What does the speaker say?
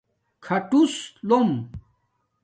کھاٹوس لوم